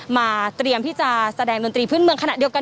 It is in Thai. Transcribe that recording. เตรียมที่จะแสดงดนตรีพื้นเมืองขณะเดียวกัน